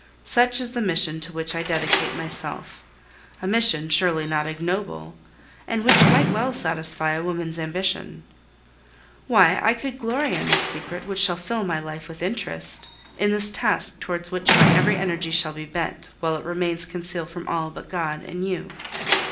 Such is the mission to which I dedicate myself, a mission surely not ignoble, and which might well satisfy a woman's ambition. Why, I could glory in this secret which shall fill my life with interest, in this task towards which my every energy shall be bent, while it remains concealed from all but God and you.